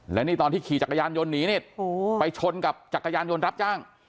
และนี่ตอนที่ขี่จักรยานยนต์หนีนี่ไปชนกับจักรยานยนต์รับจ้าง